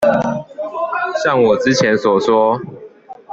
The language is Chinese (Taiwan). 像我之前所說